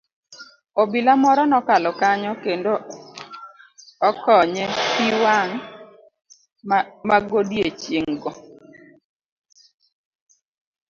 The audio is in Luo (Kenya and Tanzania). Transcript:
Obila moro nokalo kanyo kendo okonye pii wang' magodiochieng' go.